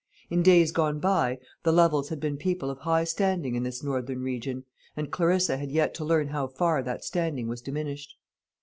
In days gone by, the Lovels had been people of high standing in this northern region, and Clarissa had yet to learn how far that standing was diminished.